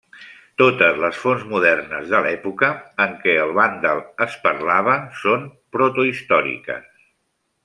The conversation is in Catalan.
Totes les fonts modernes de l'època en què el vàndal es parlava són protohistòriques.